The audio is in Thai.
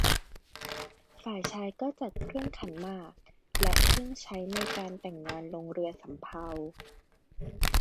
ฝ่ายชายก็จัดเครื่องขันหมากและเครื่องใช้ในการแต่งงานลงเรือสำเภา